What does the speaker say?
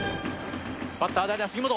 バッター代打杉本。